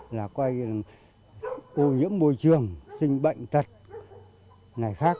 là coi như là ô nhiễm môi trường sinh bệnh trật này khác